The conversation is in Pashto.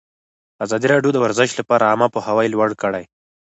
ازادي راډیو د ورزش لپاره عامه پوهاوي لوړ کړی.